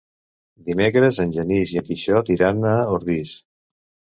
Dimecres en Genís i en Quixot iran a Ordis.